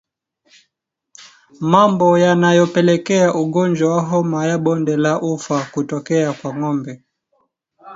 Mambo yanayopelekea ugonjwa wa homa ya bonde la ufa kutokea kwa ngombe